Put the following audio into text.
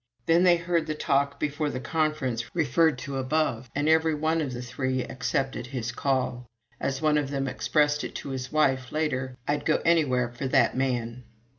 Then they heard the talk before the Conference referred to above, and every one of the three accepted his call. As one of them expressed it to his wife later: "I'd go anywhere for that man."